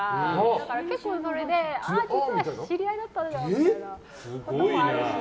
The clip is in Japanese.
だから結構、それで実は知り合いだったじゃんみたいなこともあるし。